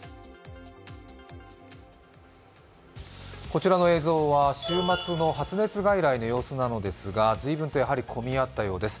こちらの映像は週末の発熱外来の様子ですが随分と混み合ったようです。